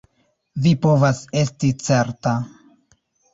Vi povas esti certa.